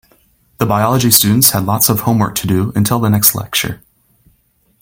The biology students had lots of homework to do until the next lecture.